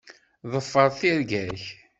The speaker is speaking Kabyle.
Ḍfeṛ tirga-k.